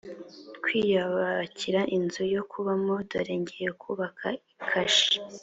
kwiyubakira inzu yo kubamo dore ngiye kubaka ikashi